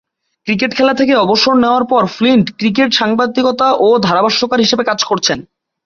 Cricket খেলা থেকে অবসর নেয়ার পর ফ্লিন্ট ক্রিকেট সাংবাদিকতা ও ধারাভাষ্যকার হিসেবে কাজ করছেন।